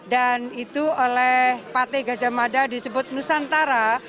dan itu oleh pate gajah mada disebut nusantara